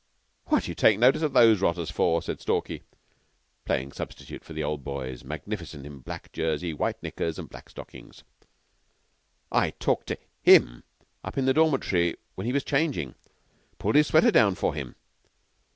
"What d'you take any notice of those rotters for?" said Stalky, playing substitute for the Old Boys, magnificent in black jersey, white knickers, and black stockings. "I talked to him up in the dormitory when he was changin'. Pulled his sweater down for him.